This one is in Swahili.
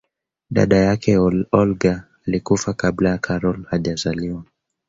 dada yake olga alikufa kabla karol hajazaliwa